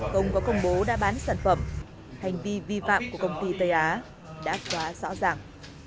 không có công bố đã bán sản phẩm hành vi vi phạm của công ty tây á đã quá rõ ràng